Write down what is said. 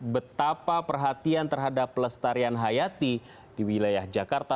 betapa perhatian terhadap pelestarian hayati di wilayah jakarta